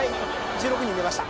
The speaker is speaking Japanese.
１６人出ました。